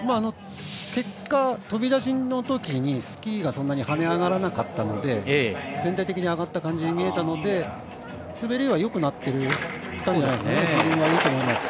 結果、飛び出しのときにスキーがそんなに跳ね上がらなかったので全体的に上がった感じに見えたので滑りは良くなっていたんじゃないですかね。